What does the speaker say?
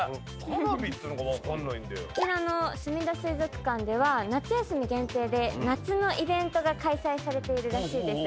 こちらのすみだ水族館では夏休み限定で夏のイベントが開催されているらしいです。